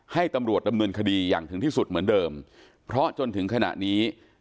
ให้ตำรวจดำเนินคดีอย่างถึงที่สุดเหมือนเดิมเพราะจนถึงขณะนี้